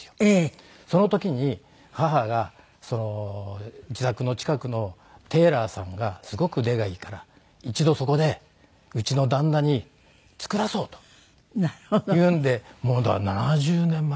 その時に母が自宅の近くのテーラーさんがすごく腕がいいから一度そこでうちの旦那に作らそうというんでもうだから７０年前。